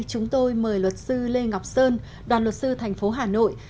chúng tôi mời luật sư lê ngọc sơn đoàn luật sư thành phố hà nội